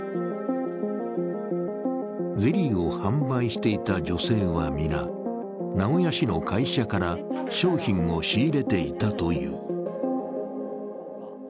ゼリーを販売していた女性は皆、名古屋市の会社から商品を仕入れていたという。